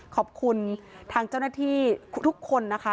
ขอบคุณทางเจ้าหน้าที่ทุกคนนะคะ